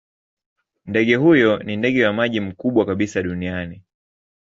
Ndege huyo ni ndege wa maji mkubwa kabisa duniani.